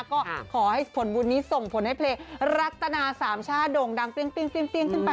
ก็ขอให้ผลบุญนี้ส่งผลให้เพลงรัตนาสามชาติโด่งดังเปรี้ยงขึ้นไป